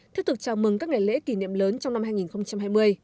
thiết thực chào mừng các ngày lễ kỷ niệm lớn trong năm hai nghìn hai mươi